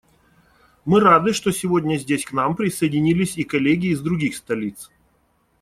Мы рады, что сегодня здесь к нам присоединились и коллеги из других столиц.